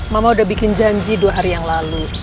mama udah bikin janji dua hari yang lalu